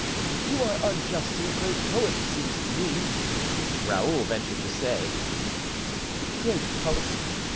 "You are unjust to a great poet, it seems to me," Raoul ventured to say. "A great poet!